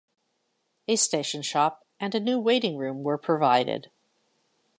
A station shop and a new waiting room were provided.